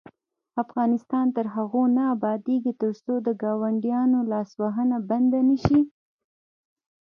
افغانستان تر هغو نه ابادیږي، ترڅو د ګاونډیانو لاسوهنه بنده نشي.